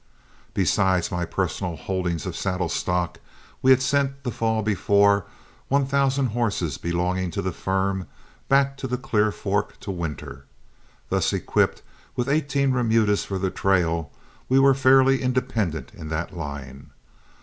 Besides my personal holdings of saddle stock, we had sent the fall before one thousand horses belonging to the firm back to the Clear Fork to winter. Thus equipped with eighteen remudas for the trail, we were fairly independent in that line.